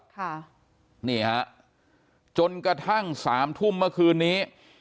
ค่ะนี่ฮะจนกระทั่งสามทุ่มเมื่อคืนนี้